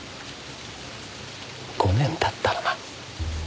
５年経ったらな。